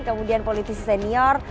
kemudian politis senior